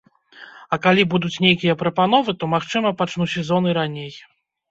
А калі будуць нейкія прапановы, то магчыма пачну сезон і раней.